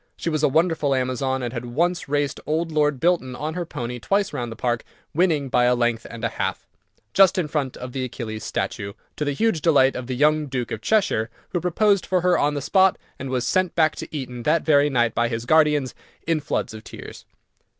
She was a wonderful Amazon, and had once raced old Lord Bilton on her pony twice round the park, winning by a length and a half, just in front of the Achilles statue, to the huge delight of the young Duke of Cheshire, who proposed for her on the spot, and was sent back to Eton that very night by his guardians, in floods of tears.